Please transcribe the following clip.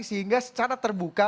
sehingga secara terbuka